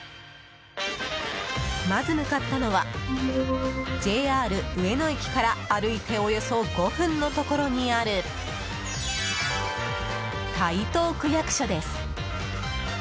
まず向かったのはＪＲ上野駅から歩いておよそ５分のところにある台東区役所です。